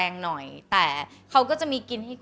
สวัสดีค่ะ